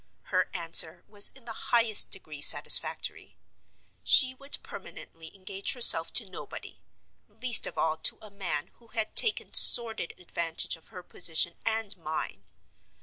Her answer was in the highest degree satisfactory. She would permanently engage herself to nobody—least of all to a man who had taken sordid advantage of her position and mine.